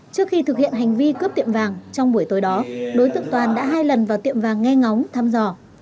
trước khi thực hiện hành vi cướp tiệm vàng trong buổi tối đó đối tượng toàn đã hai lần vào tiệm vàng nghe ngóng thăm dò